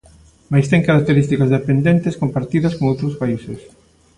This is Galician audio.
Mais ten características dependentes compartidas con outros países.